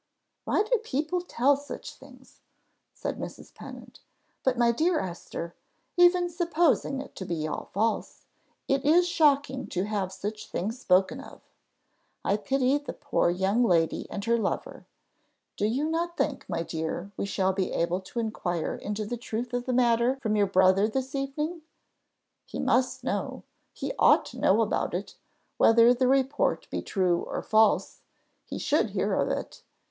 "Why do people tell such things?" said Mrs. Pennant. "But, my dear Esther, even supposing it to be all false, it is shocking to have such things spoken of. I pity the poor young lady and her lover. Do you not think, my dear, we shall be able to inquire into the truth of the matter from your brother this evening? He must know, he ought to know about it: whether the report be true or false, he should hear of it.